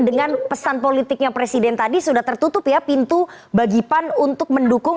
dengan pesan politiknya presiden tadi sudah tertutup ya pintu bagi pan untuk mendukung